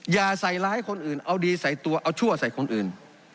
อย่าใส่ร้ายคนอื่นเอาดีใส่ตัวเอาชั่วใส่คนอื่น